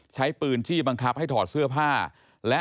ใช้ปืนจี้บังคับให้ถอดเสื้อผ้าและ